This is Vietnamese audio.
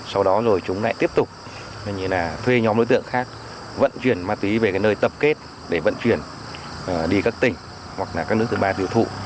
sau đó rồi chúng lại tiếp tục như là thuê nhóm đối tượng khác vận chuyển ma túy về cái nơi tập kết để vận chuyển đi các tỉnh hoặc là các nước thứ ba tiêu thụ